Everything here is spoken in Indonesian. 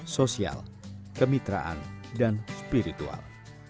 sosial kemitraan dan spiritual